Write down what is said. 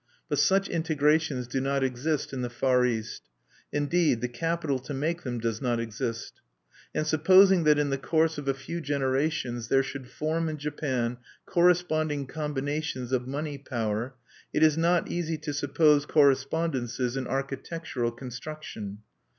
But such integrations do not exist in the Far East; indeed, the capital to make them does not exist. And supposing that in the course of a few generations there should form in Japan corresponding combinations of money power, it is not easy to suppose correspondences in architectural construction.